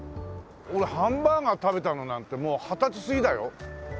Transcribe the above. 俺ハンバーガー食べたのなんてもう二十歳過ぎだよ。